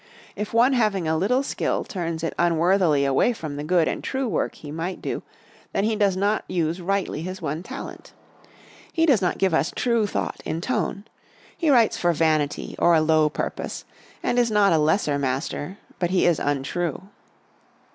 If one having a little skill turn it unworthily away from the good and true work he might do, then he does not use rightly his one talent. He does not give us true thought in tone. He writes for vanity or a low purpose, and is not a lesser master but he is untrue.